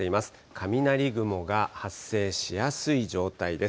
雷雲が発生しやすい状態です。